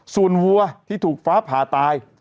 ส่วนวัวที่ถูกฟ้าผ่าตาย